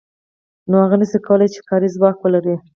نو هغه نشي کولای چې کاري ځواک ولري